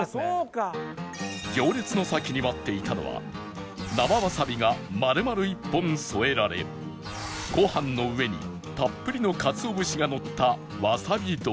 行列の先に待っていたのは生わさびが丸々１本添えられご飯の上にたっぷりの鰹節がのったわさび丼